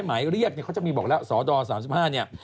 หมายเรียกเนี่ยเขาจะมีบอกแล้วสด๓๕เนี่ย